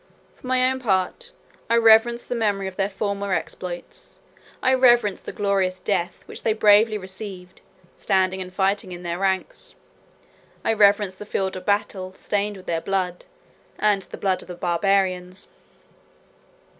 For my own part, I reverence the memory of their former exploits: I reverence the glorious death, which they bravely received, standing, and fighting in their ranks: I reverence the field of battle, stained with their blood, and the blood of the Barbarians.